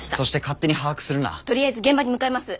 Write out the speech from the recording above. とりあえず現場に向かいます。